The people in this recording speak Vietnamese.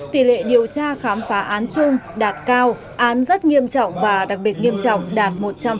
tỷ lệ điều tra khám phá án chung đạt cao án rất nghiêm trọng và đặc biệt nghiêm trọng đạt một trăm linh